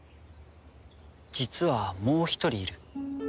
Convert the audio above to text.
実はもう一人いる。